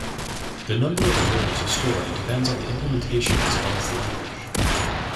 The number of words stored depends on the implementation as well as the language.